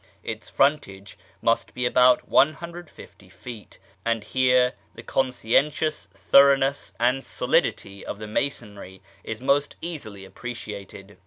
Its frontacre must be about 150 feet, and here the conscientious thoroughness and solidity of the masonry is most easily appreciated.